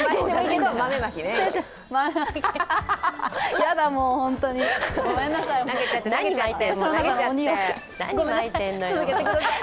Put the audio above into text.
やだもう、ホントに、ごめんなさい。